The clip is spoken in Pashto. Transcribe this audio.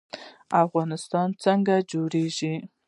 افغانستان څنګه جوړیږي؟